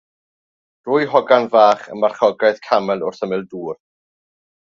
Dwy hogan ifanc yn marchogaeth camel wrth ymyl dŵr.